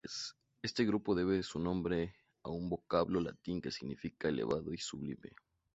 Este grupo debe su nombre a un vocablo latín que significa "elevado y sublime".